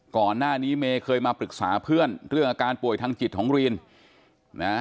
ก่อนหน้านี้เมย์เคยมาปรึกษาเพื่อนเรื่องอาการป่วยทางจิตของรีนนะ